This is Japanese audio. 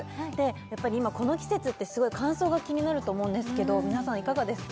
やっぱり今この季節ってすごい乾燥が気になると思うんですけど皆さんいかがですか？